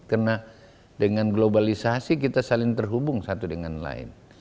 karena dengan globalisasi kita saling terhubung satu dengan lain